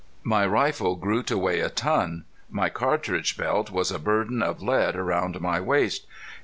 My rifle grew to weigh a ton. My cartridge belt was a burden of lead around my waist.